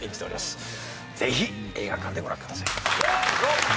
ぜひ映画館でご覧ください。